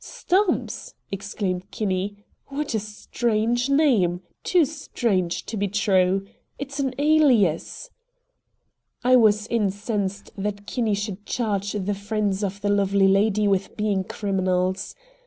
"Stumps!" exclaimed Kinney. "What a strange name. Too strange to be true. It's an alias!" I was incensed that Kinney should charge the friends of the lovely lady with being criminals.